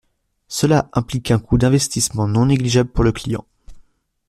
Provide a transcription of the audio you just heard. Cela implique un coût d’investissement non négligeable pour le client.